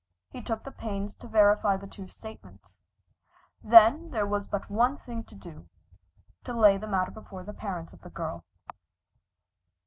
He took the pains to verify the two statements. Then there was but one thing to do to lay the matter before the parents of the girl.